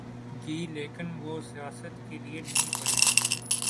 گی لیکن وہ سیاست کے لئے نہیں بنے۔